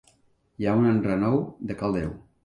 Hi ha un enrenou de cal Déu!